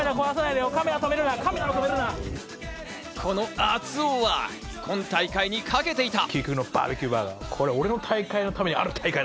この熱男は今大会に賭けていた。